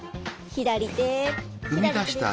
左手？